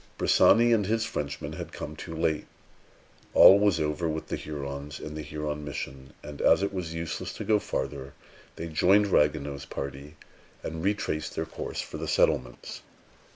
Bressani and his Frenchmen had come too late. All was over with the Hurons and the Huron mission; and, as it was useless to go farther, they joined Ragueneau's party, and retraced their course for the settlements.